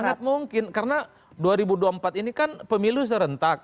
sangat mungkin karena dua ribu dua puluh empat ini kan pemilu serentak